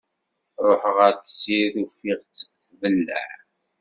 Ruḥeɣ ɣer tessirt ufiɣ-tt tbelleɛ.